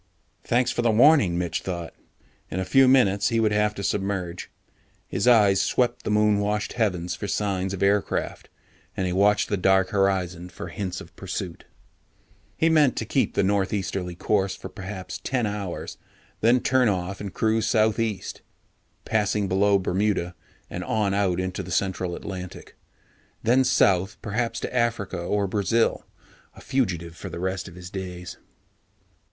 Thanks for the warning, Mitch thought. In a few minutes, he would have to submerge. His eyes swept the moon washed heavens for signs of aircraft, and he watched the dark horizon for hints of pursuit. He meant to keep the northeasterly course for perhaps ten hours, then turn off and cruise southeast, passing below Bermuda and on out into the central Atlantic. Then south perhaps to Africa or Brazil. A fugitive for the rest of his days.